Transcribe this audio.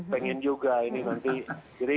pengen juga ini nanti